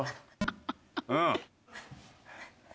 うん！